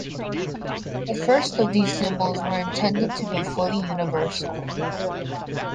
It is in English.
The first of these symbols were intended to be fully universal.